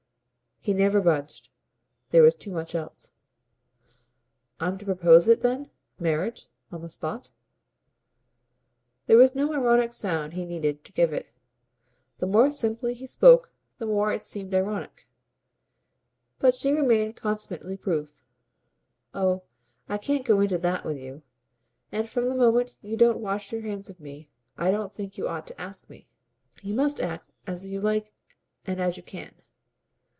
He never budged there was too much else. "I'm to propose it then marriage on the spot?" There was no ironic sound he needed to give it; the more simply he spoke the more he seemed ironic. But she remained consummately proof. "Oh I can't go into that with you, and from the moment you don't wash your hands of me I don't think you ought to ask me. You must act as you like and as you can."